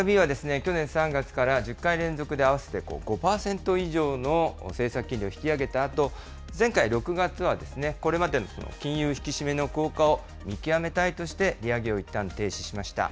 ＦＲＢは去年３月から１０回連続で合わせて５％以上の政策金利を引き上げたあと、前回６月はこれまでの金融引き締めの効果を見極めたいとして、利上げをいったん停止しました。